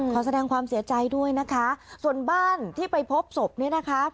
ขอแสดงความเสียใจด้วยนะคะส่วนบ้านที่ไปพบศพเนี่ยนะคะ